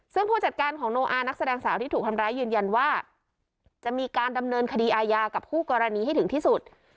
ซึ่งผู้จัดการของโนอานักแสดงสาวที่ถูกทำร้ายยืนยันว่าจะมีการดำเนินคดีอาญากับคู่กรณีให้ถึงที่สุด